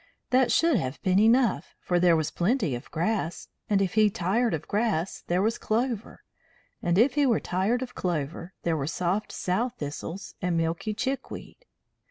That should have been enough, for there was plenty of grass; and if he tired of grass there was clover; and if he tired of clover there were soft sow thistles and milky chickweed.